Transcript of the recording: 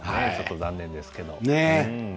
残念ですけど。